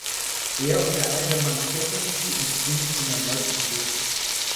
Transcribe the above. Er und der alte Mann fesseln sie und zwingen zum erneuten Kuss.